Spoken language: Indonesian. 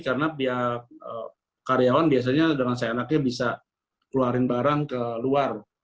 karena pihak karyawan biasanya dengan sayang sayangnya bisa keluarin barang ke luar